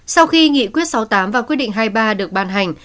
sau khi nghị quyết sáu mươi tám và quyết định hai mươi ba được ban hành